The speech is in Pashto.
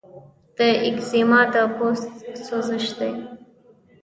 د ایکزیما د پوست سوزش دی.